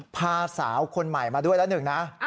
พาสาวคนใหม่มาด้วยละหนึ่งนะ